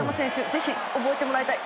ぜひ覚えてもらいたい。